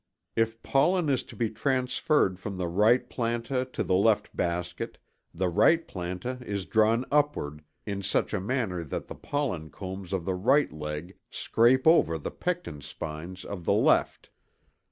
If pollen is to be transferred from the right planta to the left basket, the right planta is drawn upward in such a manner that the pollen combs of the right leg scrape over the pecten spines of the left.